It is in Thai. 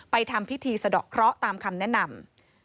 ทำพิธีสะดอกเคราะห์ตามคำแนะนำ